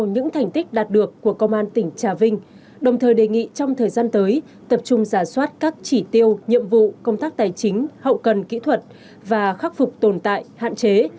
những thành tích đạt được của công an tỉnh trà vinh đồng thời đề nghị trong thời gian tới tập trung giả soát các chỉ tiêu nhiệm vụ công tác tài chính hậu cần kỹ thuật và khắc phục tồn tại hạn chế